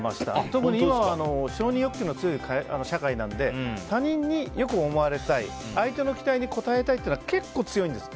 特に今は承認欲求の強い社会なので他人によく思われたい相手の期待に応えたいというのは結構強いんです。